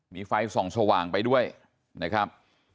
มีไฟส่องสว่างไปด้วยนะครับ